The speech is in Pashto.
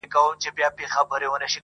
وایه شیخه وایه چي توبه که پیاله ماته کړم،